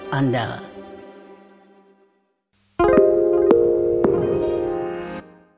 spotify atau dimanapun anda mendapatkan podcast seperti ini